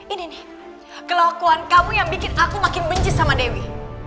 ini nih kelakuan kamu yang bikin aku makin benci sama dewi